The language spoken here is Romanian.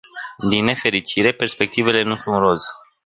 Din nefericire, perspectivele nu sunt roz.